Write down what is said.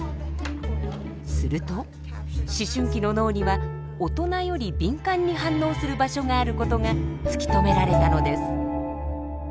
すると思春期の脳には大人より敏感に反応する場所がある事が突き止められたのです。